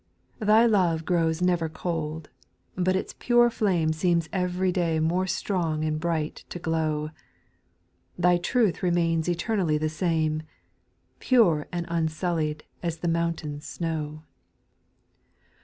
Thy love grows never cold, but its pure flame Seems every day more strong and bright to glow; Thy truth remains eternally the same, Pure and unsullied as the mountain, atvci^, 28 814 SPIRITUAL SONGS. 3.